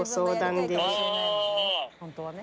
本当はね。